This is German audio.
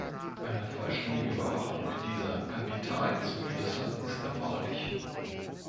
Eine vollständige Überwachung dieser Kapitalzuflüsse ist erforderlich.